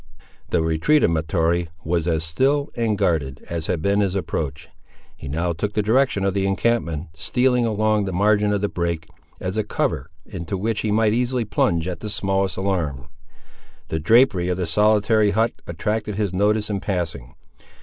The retreat of Mahtoree was as still and guarded as had been his approach. He now took the direction of the encampment, stealing along the margin of the brake, as a cover into which he might easily plunge at the smallest alarm. The drapery of the solitary hut attracted his notice in passing.